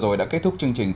xin kính chào tạm biệt